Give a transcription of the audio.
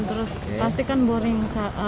terus pasti kan boring